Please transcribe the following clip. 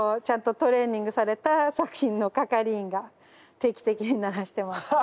ちゃんとトレーニングされた作品の係員が定期的に鳴らしてます。